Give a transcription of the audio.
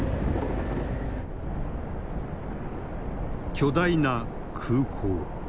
巨大な空港。